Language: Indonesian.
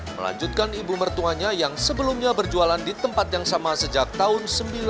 melanjutkan ibu mertuanya yang sebelumnya berjualan di tempat yang sama sejak tahun seribu sembilan ratus sembilan puluh empat